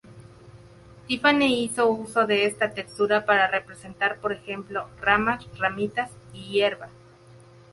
Tiffany hizo uso de esta textura para representar, por ejemplo, ramas, ramitas y hierba.